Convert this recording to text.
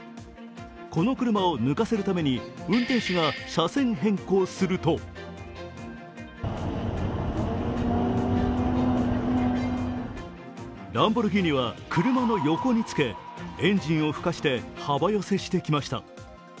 この車を抜かせるために運転手が車線変更するとランボルギーニは車の横につけエンジンをふかして幅寄せしてきました。